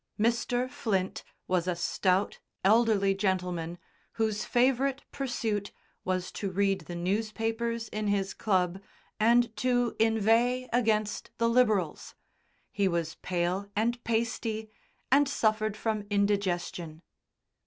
Mr. Flint was a stout, elderly gentleman, whose favourite pursuit was to read the newspapers in his club, and to inveigh against the Liberals. He was pale and pasty, and suffered from indigestion.